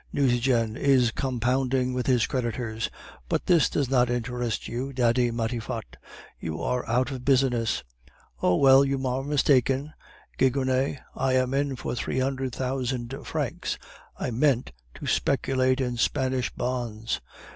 Nucingen is compounding with his creditors. But this does not interest you, Daddy Matifat; you are out of business.' "'Oh, well, you are mistaken, Gigonnet; I am in for three hundred thousand francs. I meant to speculate in Spanish bonds.